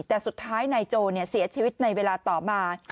แต่สุดท้ายนายโจเสียชีวิตในเวลาต่อมา